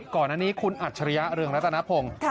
ก่อนอันนี้คุณอัจฉริยะเรืองรัตนพงศ์